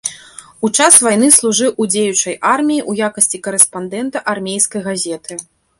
У час вайны служыў у дзеючай арміі ў якасці карэспандэнта армейскай газеты.